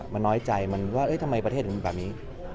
มันน้อยใจมันว่าทำไมประเทศถึงเป็นแบบนี้